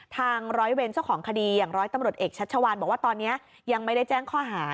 ร้อยเวรเจ้าของคดีอย่างร้อยตำรวจเอกชัชวานบอกว่าตอนนี้ยังไม่ได้แจ้งข้อหา